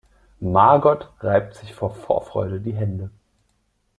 Margot reibt sich vor Vorfreude die Hände.